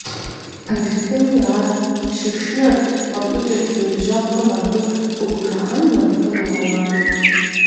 Пэж дыдэуи, ар щышынэрт, фӀэлӀыкӀырт и ныбжьэгъухэм, абы къыхужаӀэнум, абыхэм я ауаным.